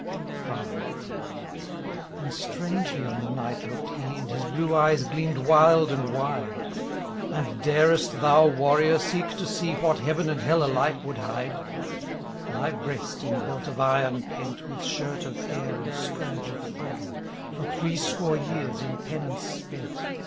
V. And strangely on the Knight looked he. And his blue eyes gleamed wild and wide; And, darest thou. Warrior ! seek to see Wluit heaven and hell alike would hide? My breast, in belt of iron pent. With shirt of hair and scourge of thorn ; For threescore years, in penance spent.